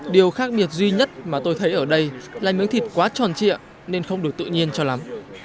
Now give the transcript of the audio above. điều khác biệt duy nhất mà tôi thấy ở đây là miếng thịt quá tròn trịa nên không được tự nhiên cho lắm